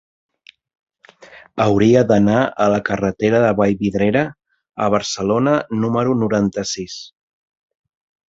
Hauria d'anar a la carretera de Vallvidrera a Barcelona número noranta-sis.